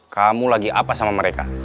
kamu lagi apa sama mereka